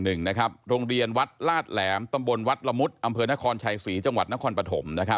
โรงเรียนวัดลาดแหลมตำบลวัดละมุดอำเภอนครชัยศรีจังหวัดนครปฐม